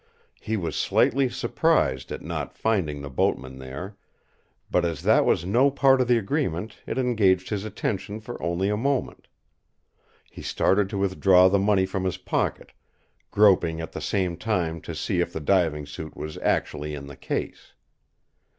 He was slightly surprised at not finding the boatman there, but as that was no part of the agreement it engaged his attention for only a moment. He started to withdraw the money from his pocket, groping at the same time to see if the diving suit was actually in the case.